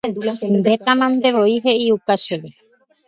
ndetamantevoi he'iuka chéve